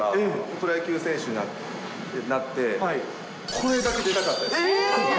プロ野球選手になって、これだけ出たかったです。